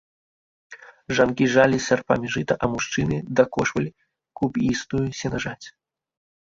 Жанкі жалі сярпамі жыта, а мужчыны дакошвалі куп'істую сенажаць.